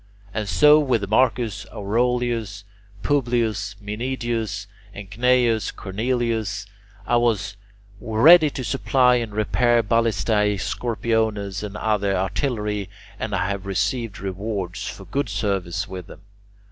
And so with Marcus Aurelius, Publius Minidius, and Gnaeus Cornelius, I was ready to supply and repair ballistae, scorpiones, and other artillery, and I have received rewards for good service with them.